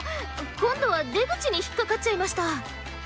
今度は出口に引っ掛かっちゃいました。